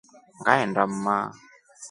Ngaenda mma.